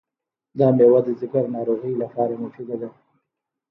دا مېوه د ځیګر ناروغیو لپاره مفیده ده.